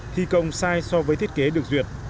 thi công sai so với thiết kế được duyệt